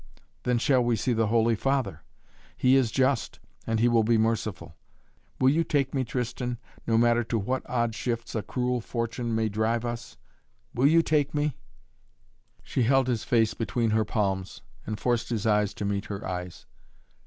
"Then shall we see the Holy Father. He is just and he will be merciful. Will you take me, Tristan, no matter to what odd shifts a cruel Fortune may drive us? Will you take me?" She held his face between her palms and forced his eyes to meet her eyes.